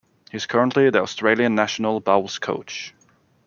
He is currently the Australian national bowls coach.